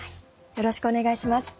よろしくお願いします。